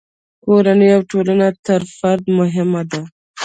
کورنۍ او ټولنه تر فرد مهمه ده.